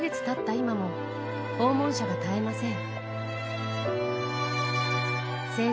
今も、訪問者が絶えません。